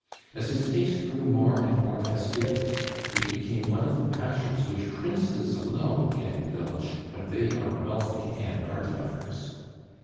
As his taste grew more and more fastidious, it became one of the passions which princes alone can indulge when they are wealthy and art lovers.